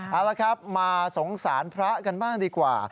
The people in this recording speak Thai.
เอาละครับมาสงสารพระกันบ้างดีกว่า